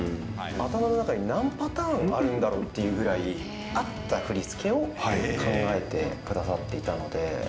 頭の中に何パターンあるんだろうっていう合った振り付けを考えてくださっていたので。